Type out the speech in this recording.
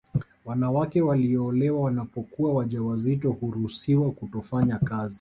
Wanawake walioolewa wanapokuwa wajawazito huruhusiwa kutofanya kazi